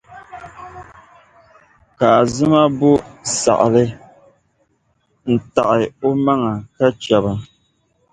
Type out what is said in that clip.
Ka Azima bo saɣili n-taɣi o maŋ’ ka chɛ ba.